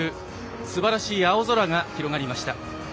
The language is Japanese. すばらしい青空が広がりました。